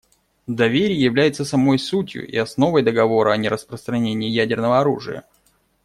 Доверие является самой сутью и основой Договора о нераспространении ядерного оружия.